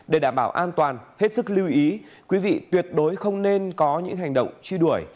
để đảm bảo an toàn hết sức lưu ý quý vị tuyệt đối không nên có những hành động truy đuổi